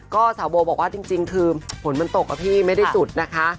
ก็สาวโบบอกว่าจริงคือฝนมันตกอะพี่ไม่ได้จุดนะคะ